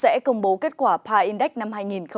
sẽ công bố kết quả pi index năm hai nghìn một mươi tám